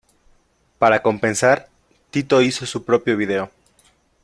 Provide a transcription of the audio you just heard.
Para compensar, Tito hizo su propio video.